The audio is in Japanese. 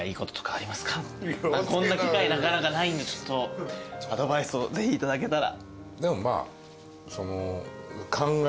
こんな機会なかなかないんでちょっとアドバイスをぜひ頂けたら。